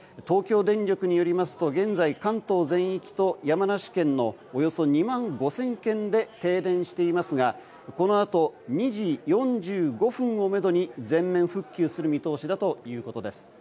東京電力によりますと現在、関東全域と山梨県のおよそ２万５０００軒で停電していますがこのあと２時４５分をめどに全面復旧する見通しだということです。